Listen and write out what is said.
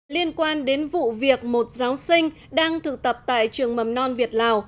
liên quan đến vụ việc một giáo sinh đang thực tập tại trường mầm non việt lào